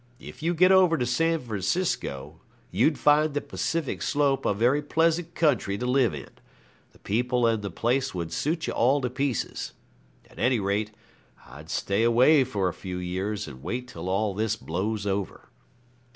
If you get over to San Francisco you'd find the Pacific Slope a very pleasant country to live in. The people and the place would suit you all to pieces. At any rate I'd stay away for a few years and wait till all this blows over.'